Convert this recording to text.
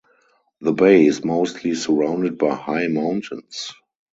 The bay is mostly surrounded by high mountains.